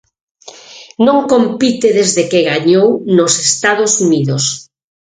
Non compite desde que gañou nos Estados Unidos.